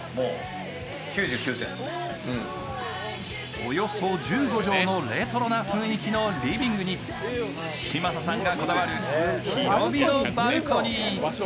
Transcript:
およそ１５畳のレトロな雰囲気のリビングに嶋佐さんがこだわる広々バルコニー。